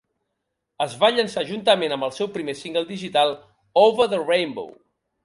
Es va llançar juntament amb el seu primer single digital, "Over the Rainbow".